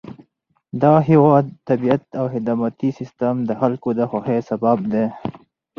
دغه هېواد طبیعت او خدماتي سیستم د خلکو د خوښۍ سبب دی.